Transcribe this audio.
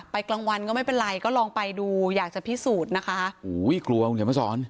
กลางวันก็ไม่เป็นไรก็ลองไปดูอยากจะพิสูจน์นะคะโอ้โหกลัวคุณเขียนมาสอน